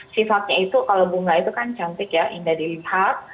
sifatnya itu kalau bunga itu kan cantik ya indah dilihat